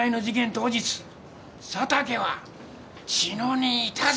当日佐竹は茅野にいたぞ！